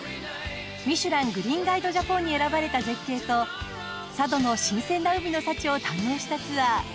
ミシュラン・グリーンガイド・ジャポンに選ばれた絶景と佐渡の新鮮な海の幸を堪能したツアー。